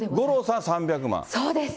そうです。